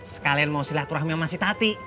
sekalian mau silaturahmi sama si tati